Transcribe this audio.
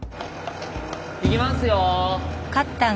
いきますよ！